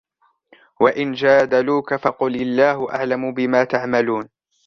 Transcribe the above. وإن جادلوك فقل الله أعلم بما تعملون